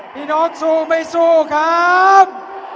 น้องสู้ไม่สู้ครับ